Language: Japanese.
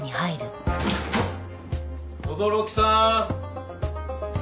轟木さん？